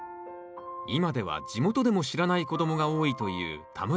今では地元でも知らない子供が多いという田村かぶ。